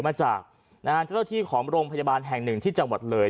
มาจากเจ้าหน้าที่ของโรงพยาบาลแห่งหนึ่งที่จังหวัดเลย